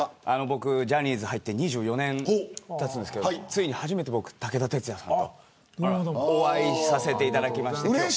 僕、ジャニーズに入って２４年たちますがついに初めて武田鉄矢さんとお会いさせていただきました。